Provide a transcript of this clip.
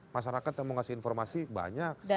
masyarakat yang mau ngasih informasi banyak